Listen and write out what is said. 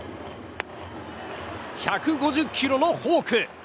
１５０キロのフォーク。